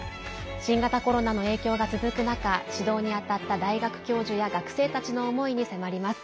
新型コロナの影響が続く中指導に当たった大学教授や学生たちの思いに迫ります。